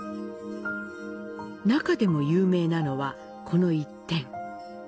中でも有名なのは、この１点。